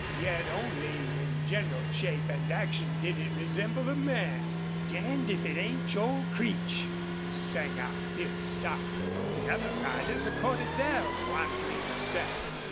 Yet only in general shape and action did it resemble a man. "Damned if it ain't Joel Creech!" sang out Bill Stark. The other riders accorded their wondering assent.